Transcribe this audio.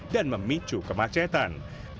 dan memicu kemacetan